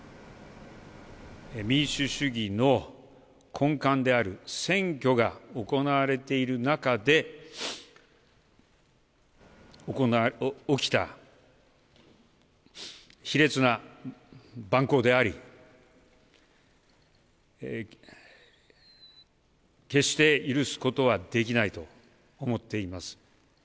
民主主義の根幹である選挙が行われている中で、起きた、卑劣な蛮行であり、決して許すことはできないと思っています。